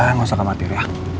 nggak usah kamu hati ya